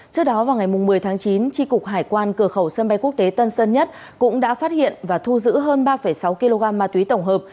trước đó vào ngày một mươi tháng chín tri cục hải quan cửa khẩu sân bay quốc tế tân sơn nhất cũng đã phát hiện và thu giữ hơn ba sáu kg ma túy tổng hợp